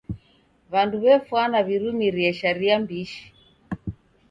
W'andu w'efwana w'irumirie sharia mbishi.